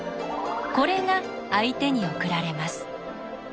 これが相手に送られます。